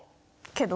けど？